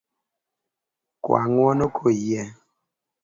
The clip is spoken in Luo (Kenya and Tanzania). Kwa ng'uono koyie.